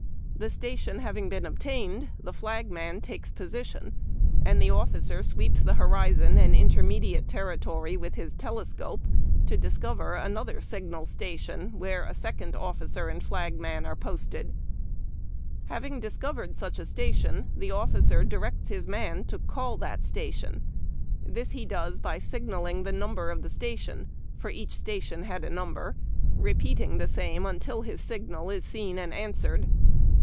The station having been attained, the flagman takes position, and the officer sweeps the horizon and inter mediate territory with his telescope to discover another signal station, where a second officer and flagman are posted. Having discovered such a station, the officer directs his man to ''call" that station. This he does by signalling the number of the station (for each station had a number), re peating the same until his signal is seen and answered.